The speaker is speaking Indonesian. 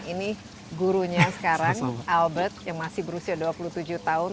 ini gurunya sekarang albert yang masih berusia dua puluh tujuh tahun